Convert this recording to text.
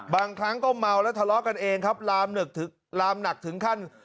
บางครั้งก็เมาแล้วทะเลาะกันเองครับลามลามหนักถึงขั้น